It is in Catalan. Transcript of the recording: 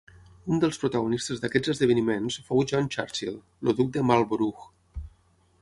Un dels protagonistes d'aquests esdeveniments fou John Churchill, el duc de Marlborough.